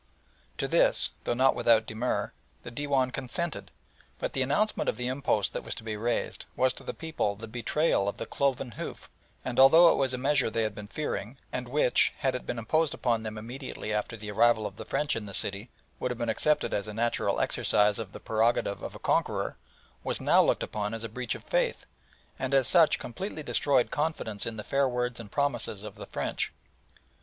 To this, though not without demur, the Dewan consented; but the announcement of the impost that was to be raised was to the people the betrayal of the cloven hoof, and although it was a measure they had been fearing, and which, had it been imposed upon them immediately after the arrival of the French in the city, would have been accepted as a natural exercise of the prerogative of a conqueror, was now looked upon as a breach of faith, and as such completely destroyed confidence in the fair words and promises of the French.